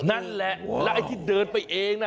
นั่นแหละแล้วไอ้ที่เดินไปเองนะ